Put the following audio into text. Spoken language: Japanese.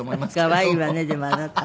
可愛いわねでもあなた。